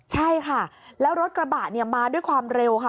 ใช่ค่ะแล้วรถกระบะเนี่ยมาด้วยความเร็วค่ะ